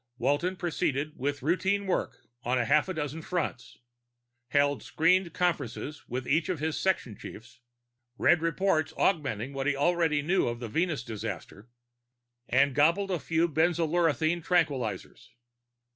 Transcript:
Walton proceeded with routine work on half a dozen fronts, held screened conferences with each of his section chiefs, read reports augmenting what he already knew of the Venus disaster, and gobbled a few benzolurethrin tranquilizers.